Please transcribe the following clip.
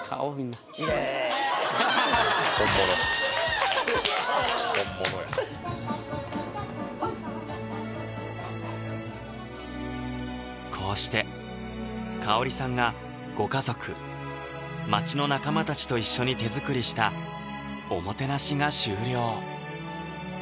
本物本物やこうして香里さんがご家族・町の仲間たちと一緒に手作りしたおもなしが終了